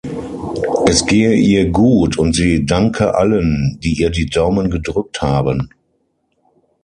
Es gehe ihr gut und sie danke allen, die ihr die Daumen gedrückt haben.